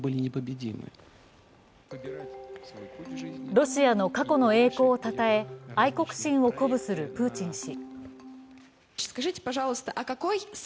ロシアの過去の栄光をたたえ、愛国心を鼓舞するプーチン氏。